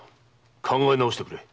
考え直してくれ。